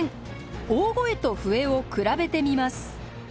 大声と笛を比べてみます。